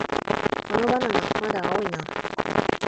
このバナナ、まだ青いな